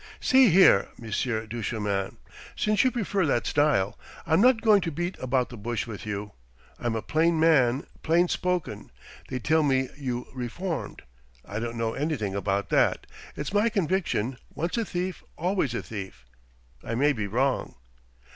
"See here, Monsieur Duchemin since you prefer that style I'm not going to beat about the bush with you. I'm a plain man, plain spoken. They tell me you reformed. I don't know anything about that. It's my conviction, once a thief, always a thief. I may be wrong."